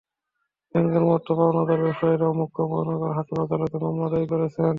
ব্যাংকের মতো পাওনাদার ব্যবসায়ীরাও মুখ্য মহানগর হাকিম আদালতে মামলা দায়ের করেছেন।